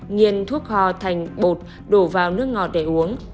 nghiền thuốc hò thành bột đổ vào nước ngọt để uống